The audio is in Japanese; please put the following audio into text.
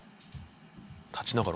立ちながら。